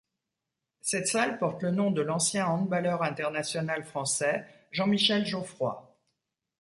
Cette salle porte le nom de l'ancien handballeur international français Jean-Michel Geoffroy.